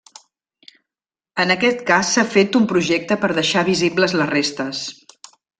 En aquest cas s'ha fet un projecte per deixar visibles les restes.